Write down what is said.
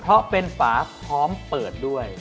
เพราะเป็นฝาพร้อมเปิดด้วย